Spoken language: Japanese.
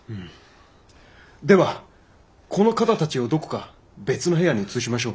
ではこの方たちをどこか別の部屋に移しましょう。